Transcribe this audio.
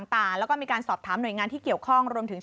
ใดไปก็ต้องรับข้อมูล